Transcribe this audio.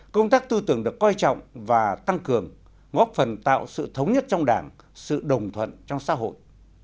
công tác tư tưởng được coi trọng và tăng cường góp phần tạo sự thống nhất trong đảng sự đồng thuận trong xã hội